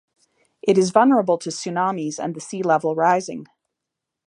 It is vulnerable to tsunamis and the sea level rising.